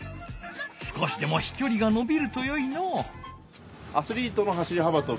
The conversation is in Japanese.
少しでもひきょりがのびるとよいのう。